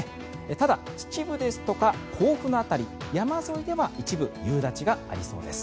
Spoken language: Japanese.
ただ、秩父ですとか甲府の辺り山沿いでは一部夕立がありそうです。